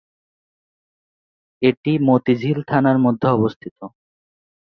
এটি মতিঝিল থানার মধ্যে অবস্থিত।